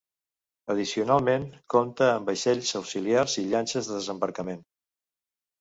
Addicionalment, compta amb vaixells auxiliars i llanxes de desembarcament.